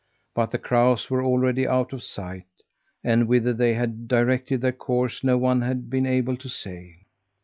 But the crows were already out of sight, and whither they had directed their course no one had been able to say.